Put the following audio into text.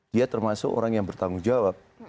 dia termasuk orang yang bertanggung jawab